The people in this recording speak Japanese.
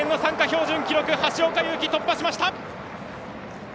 標準記録橋岡優輝、突破しました。